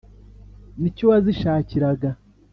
ni cyo wazishakiraga.